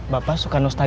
dia menjadi geda